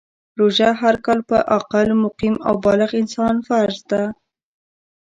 روژه هر کال په عاقل ، مقیم او بالغ انسان فرض ده .